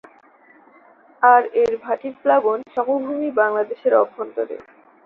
আর এর ভাটির প্লাবন সমভূমি বাংলাদেশের অভ্যন্তরে।